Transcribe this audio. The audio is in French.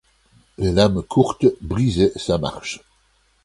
Les lames courtes brisaient sa marche.